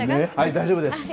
大丈夫です。